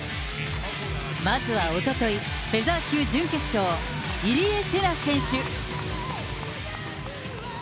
まずはおととい、フェザー級準決勝、入江聖奈選手。